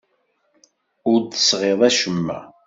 Ur d-tesɣiḍ acemma.